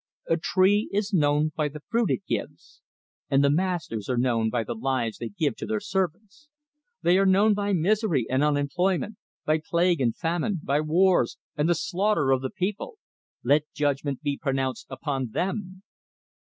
"A tree is known by the fruit it gives; and the masters are known by the lives they give to their servants. They are known by misery and unemployment, by plague and famine, by wars, and the slaughter of the people. Let judgment be pronounced upon them!